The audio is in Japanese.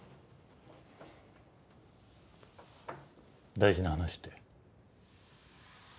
大事な話って？